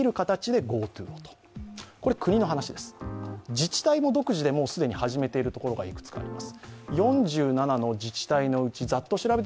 自治体も独自でもう既に始めているところがいくつかあります。